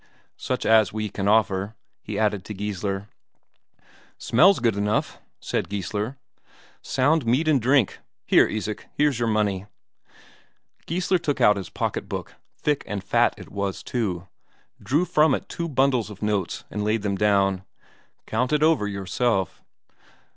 "Such as we can offer," he added to Geissler. "Smells good enough," said Geissler. "Sound meat and drink. Here, Isak, here's your money!" Geissler took out his pocket book thick and fat it was, too drew from it two bundles of notes and laid them down. "Count it over yourself."